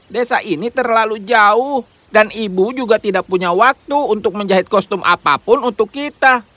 desa ini terlalu jauh dan ibu juga tidak punya waktu untuk menjahit kostum apapun untuk kita